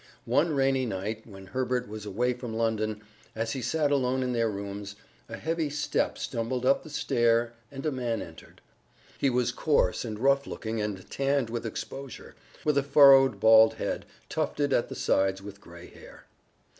One rainy night, when Herbert was away from London, as he sat alone in their rooms, a heavy step stumbled up the stair and a man entered. He was coarse and rough looking and tanned with exposure, with a furrowed bald head, tufted at the sides with gray hair.